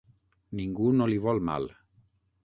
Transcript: Ningú no li vol mal.